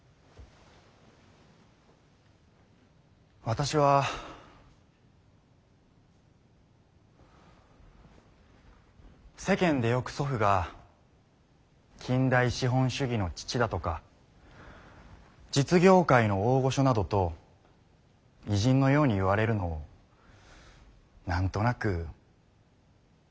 私は世間でよく祖父が「近代資本主義の父」だとか「実業界の大御所」などと偉人のように言われるのを何となく的外れな批評に思っておりました。